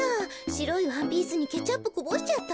しろいワンピースにケチャップこぼしちゃった。